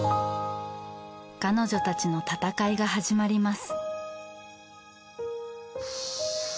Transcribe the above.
彼女たちの戦いが始まります。